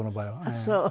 ああそう。